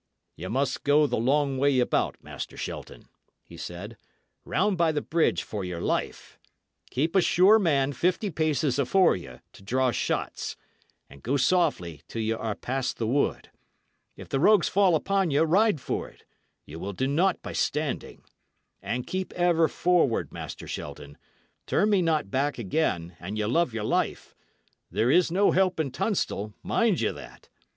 "Ye must go the long way about, Master Shelton," he said; "round by the bridge, for your life! Keep a sure man fifty paces afore you, to draw shots; and go softly till y' are past the wood. If the rogues fall upon you, ride for 't; ye will do naught by standing. And keep ever forward, Master Shelton; turn me not back again, an ye love your life; there is no help in Tunstall, mind ye that.